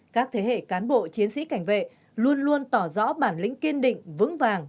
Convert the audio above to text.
các thế hệ cán bộ chiến sĩ cảnh vệ luôn luôn tỏ rõ bản lĩnh kiên định vững vàng